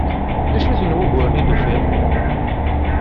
D acu-ten wuguren i d-tufiḍ?